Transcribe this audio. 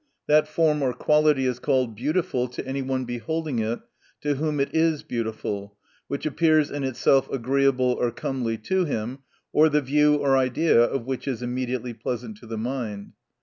That form or quality is called beautiful to any one beholding it to whom it is beautiful, which appears in itself agreeable or comely to him, or the view or idea of which is immediately pleasant to the mind.